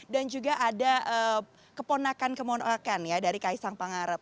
dan juga ada keponakan keponakan ya dari kaisang pangarap